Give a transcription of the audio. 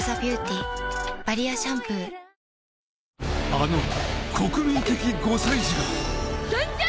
あの国民的５歳児が参上！